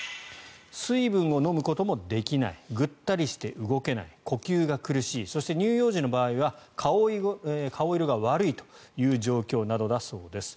水分を飲むこともできないぐったりして動けない呼吸が苦しいそして乳幼児の場合は顔色が悪いという状況などだそうです。